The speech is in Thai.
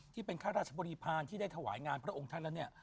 ข้าราชบริพาณที่ได้ถวายงานพระองค์ท่านแล้วเนี่ย